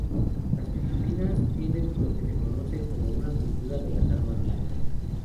Las Filipinas tienen lo que se conoce como una cultura de las armas blancas.